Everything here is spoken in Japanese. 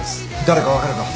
誰か分かるか？